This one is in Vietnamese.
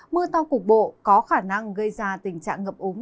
mưa to cục bộ có khả năng gây ra tình trạng ngập úng